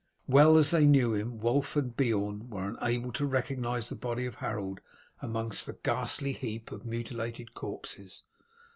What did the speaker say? Well as they knew him, Wulf and Beorn were unable to recognize the body of Harold among the ghastly heap of mutilated corpses.